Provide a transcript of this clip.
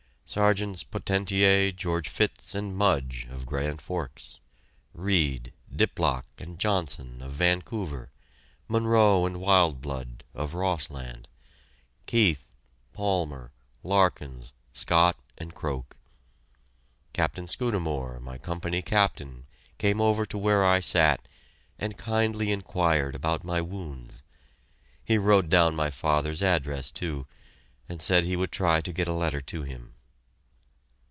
Sergeants Potentier, George Fitz, and Mudge, of Grand Forks; Reid, Diplock, and Johnson, of Vancouver; Munroe and Wildblood, of Rossland; Keith, Palmer, Larkins, Scott, and Croak. Captain Scudamore, my Company Captain, came over to where I sat, and kindly inquired about my wounds. He wrote down my father's address, too, and said he would try to get a letter to him.